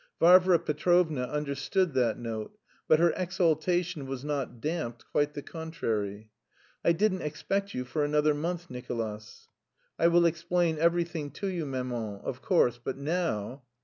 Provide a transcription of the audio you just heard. Varvara Petrovna understood that note, but her exaltation was not damped, quite the contrary. "I didn't expect you for another month, Nicolas!" "I will explain everything to you, maman, of course, but now..."